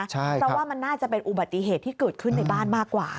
เพราะว่ามันน่าจะเป็นอุบัติเหตุที่เกิดขึ้นในบ้านมากกว่า